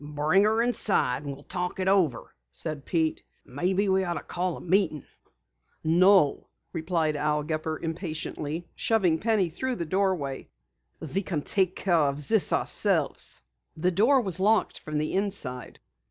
"Bring her inside, and we'll talk it over," said Pete. "Maybe we ought to call a meeting." "No," replied Al Gepper impatiently, shoving Penny through the doorway. "We can take care of this ourselves." The door was locked from the inside.